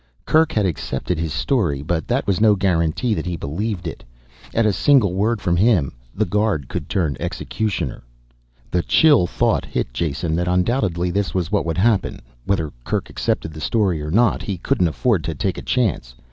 Kerk had accepted his story, but that was no guarantee that he believed it. At a single word from him, the guard could turn executioner. The chill thought hit Jason that undoubtedly this was what would happen. Whether Kerk accepted the story or not he couldn't afford to take a chance.